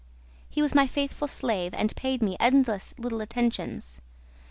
He was my faithful slave and paid me endless little attentions.